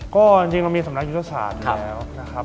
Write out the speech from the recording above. ก็จริงเรามีสำนักยุทธศาสตร์อยู่แล้วนะครับ